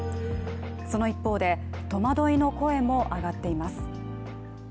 その一方で、戸惑いの声も上がっています。